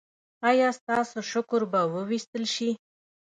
ایا ستاسو شکر به وویستل شي؟